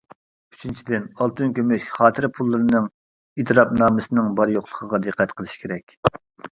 ئۈچىنچىدىن، ئالتۇن-كۈمۈش خاتىرە پۇللىرىنىڭ ئېتىراپنامىسىنىڭ بار-يوقلۇقىغا دىققەت قىلىش كېرەك.